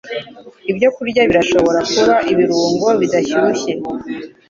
Ibyokurya birashobora kuba ibirungo bidashyushye.